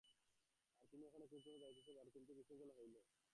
আহার এখনো কোনোক্রমে চলিয়া যাইতেছে বটে, কিন্তু অত্যন্ত বিশৃঙ্খলা উপস্থিত হইল।